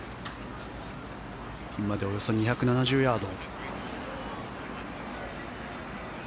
ピンまでおよそ２７０ヤード。